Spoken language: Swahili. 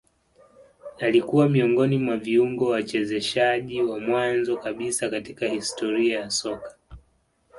Alikua miongoni mwa viungo wachezeshaji wa mwanzo kabisa katika historia ya soka